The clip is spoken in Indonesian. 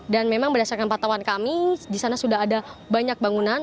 dan memang berdasarkan patauan kami di sana sudah ada banyak bangunan